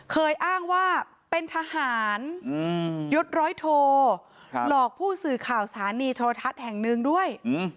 เคยอ้างว่าเป็นทหารยศร้อยโทหลอกผู้สื่อข่าวสถานีโทรทัศน์แห่งหนึ่งด้วย